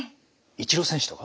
イチロー選手とか？